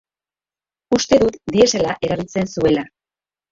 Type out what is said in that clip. Uste dut diesela erabiltzen zuela.